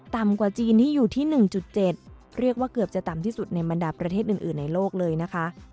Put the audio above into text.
ต่ำกว่าจีนที่อยู่ที่๑๗เรียกว่าเกือบจะต่ำที่สุดในบรรดาประเทศอื่นในโลกเลยนะคะ